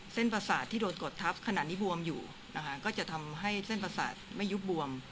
ประสาทที่โดนกดทับขนาดนี้บวมอยู่นะคะก็จะทำให้เส้นประสาทไม่ยุบบวม